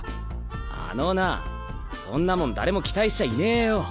あのなぁそんなもん誰も期待しちゃいねえよ！